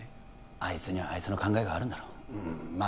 あいつにはあいつの考えがあるんだろうまあ